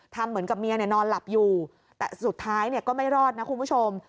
ทำเหมือนกับเมียนอนหลับอยู่แต่สุดท้ายก็ไม่รอดนะคุณผู้ชม